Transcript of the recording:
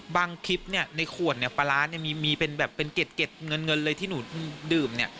บางคลิปในขวดปลาร้ามีแบบเป็นเก็ดเงินเลยที่หนูดื่ม